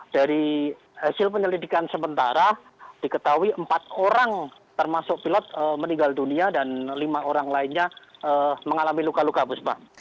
dari hasil penyelidikan sementara diketahui empat orang termasuk pilot meninggal dunia dan lima orang lainnya mengalami luka luka buspa